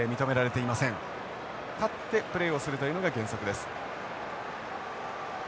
立ってプレーをするというのが原則です。